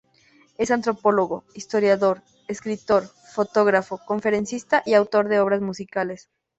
Es antropólogo, historiador, escritor, fotógrafo, conferenciante y autor de obras musicales.